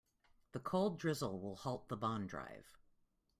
The cold drizzle will halt the bond drive.